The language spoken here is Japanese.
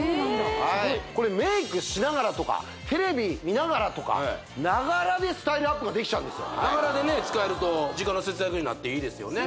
はいこれメイクしながらとかテレビ見ながらとかながらでスタイルアップができちゃうんですよながらでね使えると時間の節約になっていいですよね